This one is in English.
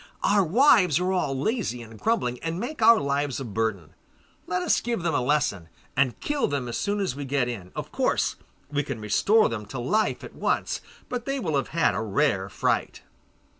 Our wives are all lazy and grumbling, and make our lives a burden. Let us give them a lesson, and kill them as soon as we get in. Of course we can restore them to life at once, but they will have had a rare fright.